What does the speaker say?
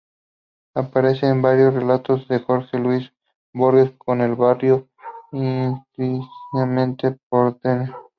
Aparece en varios relatos de Jorge Luis Borges, como el barrio intrínsecamente porteño.